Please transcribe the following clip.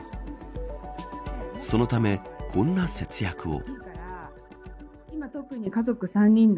そのため、こんな節約を。